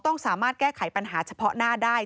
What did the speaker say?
ต้องสามารถแก้ไขปัญหาเฉพาะหน้าได้